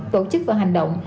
tổ chức và hành động